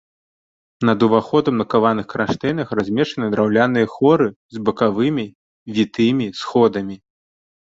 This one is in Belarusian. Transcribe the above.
Над уваходам на каваных кранштэйнах размешчаны драўляныя хоры з бакавымі вітымі сходамі.